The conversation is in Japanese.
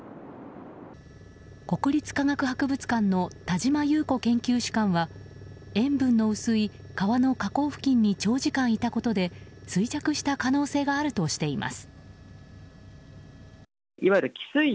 国立科学博物館の田島木綿子研究主幹は塩分の薄い、川の河口付近に長時間いたことで衰弱した可能性があるとしています。